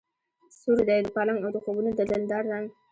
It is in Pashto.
سور دی د پالنګ او د خوبونو د دلدار رنګ